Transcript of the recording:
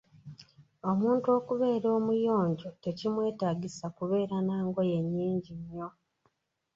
Omuntu okubeera omuyonjo tekimwetaagisa kubeera nangoye nnyingi nnyo.